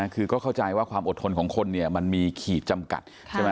คือก็เข้าใจว่าความอดทนของคนมีขี่จำกัด